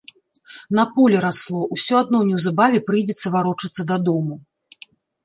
На полі расло, усё адно неўзабаве прыйдзецца варочацца дадому.